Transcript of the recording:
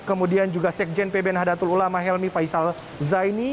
kemudian juga sekjen pbn hadatul ulama helmi faisal zaini